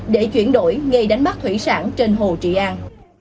để chuyển đổi nghề đánh bắt thủy sản trên hồ trị an